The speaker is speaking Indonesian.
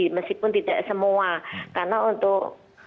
semisal pun tidak semua karena untuk